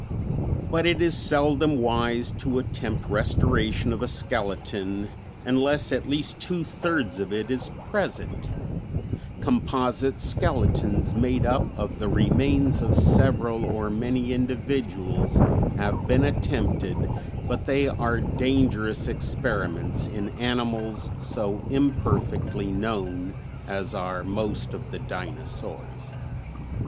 But it is seldom wise to attempt restoration of a skeleton unless at least two thirds of it is present; composite skeletons made up of the remains of several or many individuals, have been attempted, but they are dangerous experiments in animals so imperfectly known as are most of the dinosaurs.